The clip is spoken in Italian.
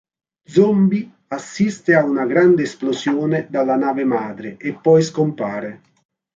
Zombie assiste a una grande esplosione dalla nave madre e poi scompare.